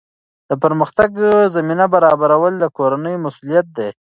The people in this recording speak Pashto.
د پرمختګ زمینه برابرول د کورنۍ مسؤلیت دی.